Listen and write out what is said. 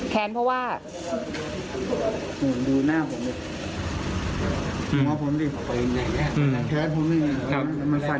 แค้นเพราะว่า